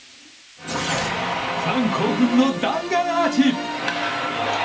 ファン興奮の弾丸アーチ！